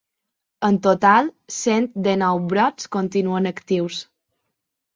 En total, cent dinou brots continuen actius.